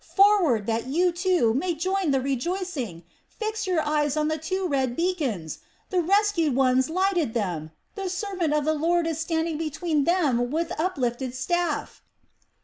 Forward, that you, too, may join in the rejoicing! Fix your eyes on the two red beacons! The rescued ones lighted them! The servant of the Lord is standing between them with uplifted staff."